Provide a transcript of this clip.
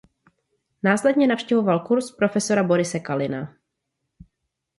Následně navštěvoval kurz prof. Borise Kalina.